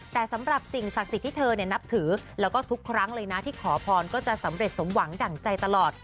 แต่สำหรับสิ่งศักดิ์สิทธิ์ที่เธอนับถือแล้วก็ทุกครั้งเลยนะที่ขอพรก็จะสำเร็จสมหวังดั่งใจตลอด